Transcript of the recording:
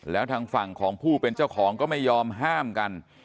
แล้วทางฝั่งของผู้เป็นเจ้าของก็ไม่ยอมห้ามกัน